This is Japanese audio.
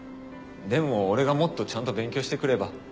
でも俺がもっとちゃんと勉強してくれば。